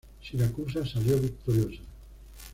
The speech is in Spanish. Siracusa salió victoriosa.